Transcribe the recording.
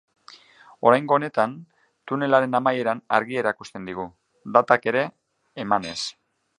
Oraingo honetan, tunelaren amaieran argia erakusten digu, datak ere emanez.